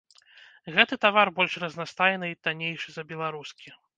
Гэты тавар больш разнастайны і таннейшы за беларускі.